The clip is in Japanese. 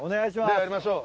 ではやりましょう。